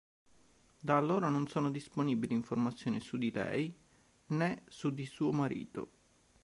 Da allora non sono disponibili informazioni su di lei ne su di suo marito.